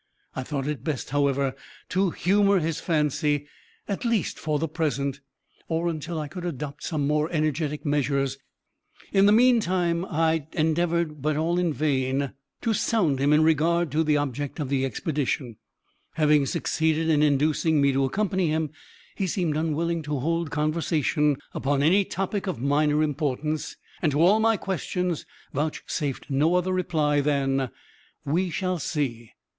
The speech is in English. I thought it best, however, to humor his fancy, at least for the present, or until I could adopt some more energetic measures with a chance of success. In the meantime I endeavored, but all in vain, to sound him in regard to the object of the expedition. Having succeeded in inducing me to accompany him, he seemed unwilling to hold conversation upon any topic of minor importance, and to all my questions vouchsafed no other reply than "we shall see!"